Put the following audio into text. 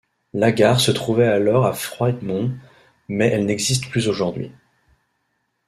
La gare se trouvait alors à Froidmont mais elle n'existe plus aujourd'hui.